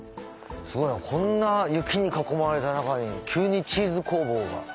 すごいこんな雪に囲まれた中に急にチーズ工房が。